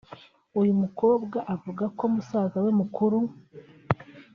uyu mukobwa avuga ko musaza we mukuru